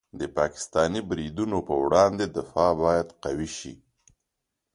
د پاکستاني بریدونو په وړاندې دفاع باید قوي شي.